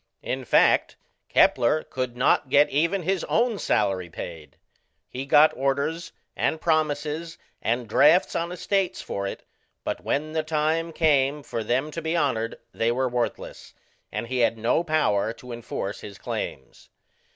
In fact, Kepler could not get even his own salary paid: he got orders, and promises, and drafts on estates for it; but when the time came for them to be honoured they were worthless, and he had no power to enforce his claims.